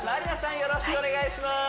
よろしくお願いします